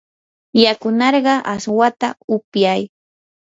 yakunarqaa aswata upyay.